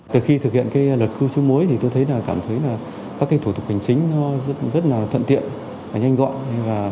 từ khi thực hiện luật cư trú mối tôi cảm thấy các thủ tục hành chính rất thuận tiện và nhanh gọn